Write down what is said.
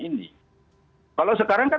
ini kalau sekarang kan